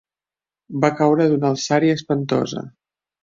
Va caure d'una alçària espantosa.